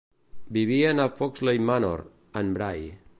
Vivien a Foxley's Manor, en Bray.